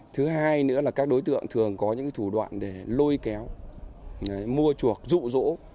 thứ hai nữa là các đối tượng thường có những thủ đoạn để lôi kéo mua chuộc dụ dỗ